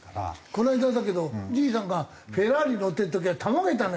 この間だけどじいさんがフェラーリ乗ってる時はたまげたね。